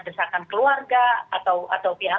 desakan keluarga atau pihak